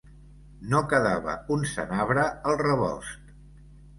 No quedava un senabre al rebost.